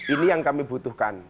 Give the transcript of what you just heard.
ini yang kami butuhkan